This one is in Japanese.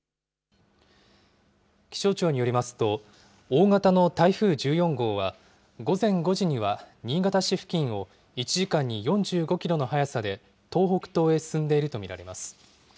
気象庁によりますと大型の台風１４号は午前５時には新潟市付近を１時間に４５キロの速さで東北東へ進んでいるとみられます。